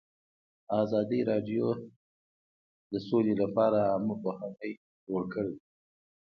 ازادي راډیو د سوله لپاره عامه پوهاوي لوړ کړی.